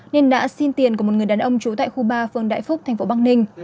nên đã xin tiền của một người đàn ông trú tại khu ba phường đại phúc thành phố bắc ninh